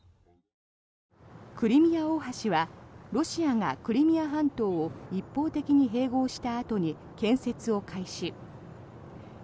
クリミア大橋はロシアがクリミア半島を一方的に併合したあとに建設を開始。